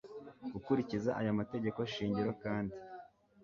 gukurikiza aya mategeko shingiro kandi